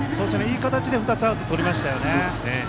いい形で２つアウトをとりましたよね。